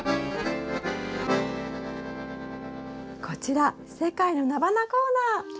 こちら世界のナバナコーナー！